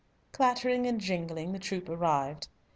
Clattering and jingling the troop arrived.